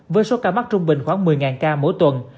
với số ca mắc trung bình khoảng một mươi ca mỗi tuần